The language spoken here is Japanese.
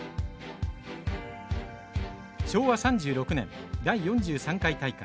昭和３６年第４３回大会。